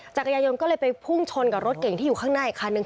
จักรยายนก็เลยไปพุ่งชนกับรถเก่งที่อยู่ข้างหน้าอีกคันนึง